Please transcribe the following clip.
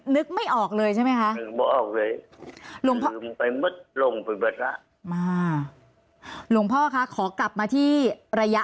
นึกไม่ออกเลยใช่ไหมคะลงพ่อลงพ่อค่ะขอกลับมาที่ระยะ